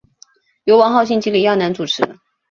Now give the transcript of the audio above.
由王浩信及李亚男主持。